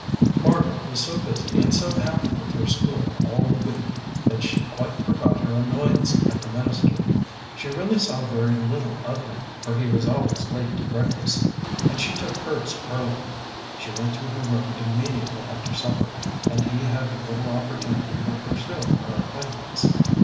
Margaret was so busy and so happy with her school all the week that she quite forgot her annoyance at the minister. She really saw very little of him, for he was always late to breakfast, and she took hers early. She went to her room immediately after supper, and he had little opportunity for pursuing her acquaintance.